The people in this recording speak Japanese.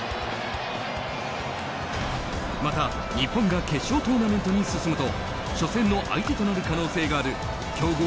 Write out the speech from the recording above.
また、日本が決勝トーナメントに進むと初戦の相手となる可能性がある強豪